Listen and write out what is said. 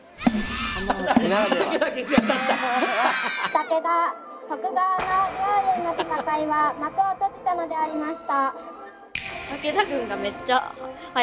「武田徳川の両雄の戦いは幕を閉じたのでありました」。